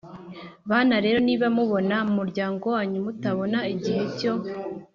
Bana rero, niba mubona mu muryango wanyu mutabona igihe cyo